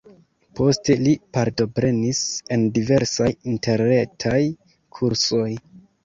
Poste li partoprenis en diversaj interretaj kursoj.